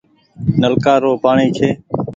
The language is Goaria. نلڪآ رو پآڻيٚ ڇي۔